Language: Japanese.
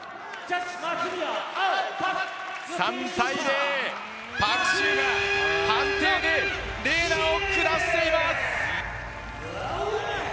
３対０、パク・シウが判定でＲＥＮＡを下しています。